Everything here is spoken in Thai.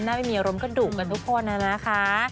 ไม่มีอารมณ์ก็ดุกันทุกคนนะคะ